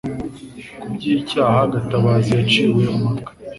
Kubw’icyaha Gatabazi yaciwe umutwe